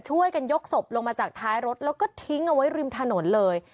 ช่วยกันยกศพลงมาจากท้ายรถแล้วก็ทิ้งเอาไว้ริมถนนเลย